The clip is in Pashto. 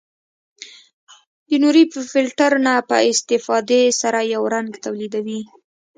د نوري فلټر نه په استفادې سره یو رنګ تولیدوي.